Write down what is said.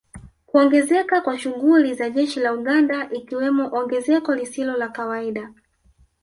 Kuongezeka kwa shughuli za jeshi la Uganda ikiwemo ongezeko lisilo la kawaida